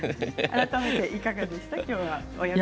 改めていかがですか？